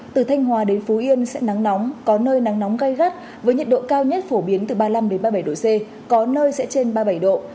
từ thanh hòa đến phú yên sẽ nắng nóng có nơi nắng nóng gai gắt với nhiệt độ cao nhất phổ biến từ ba mươi năm ba mươi bảy độ c có nơi sẽ trên ba mươi bảy độ